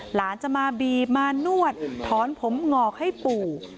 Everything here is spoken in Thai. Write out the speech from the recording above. หลานจะมาบีบมานวดถอนผมงอกให้ปู่